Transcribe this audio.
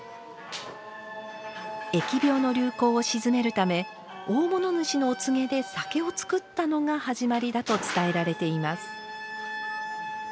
疫病の流行を鎮めるため大物主のお告げで酒を造ったのが始まりだと伝えられています。